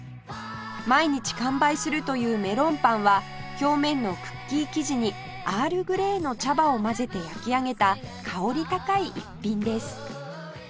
毎日完売するというメロンパンは表面のクッキー生地にアールグレイの茶葉を混ぜて焼き上げた香り高い逸品です